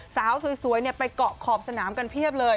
สาวสวยไปเกาะขอบสนามกันเพียบเลย